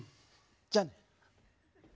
じゃあね。